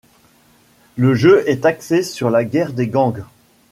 Le jeu est axé sur la guerre des gangs.